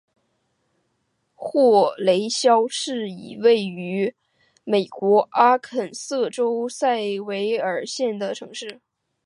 霍雷肖是一个位于美国阿肯色州塞维尔县的城市。